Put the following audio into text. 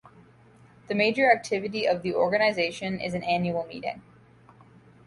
The major activity of the organization is an annual meeting.